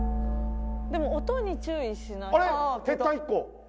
でも音に注意しないと。